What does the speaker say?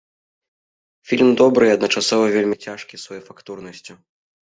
Фільм добры і адначасова вельмі цяжкі сваёй фактурнасцю.